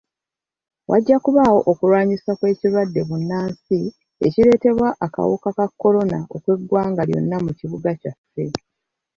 Wajja kubaawo okulwanyisa kw'ekirwadde bbunansi ekireetebwa akawuka ka kolona okw'eggwanga lyonna mu kibuga kyaffe.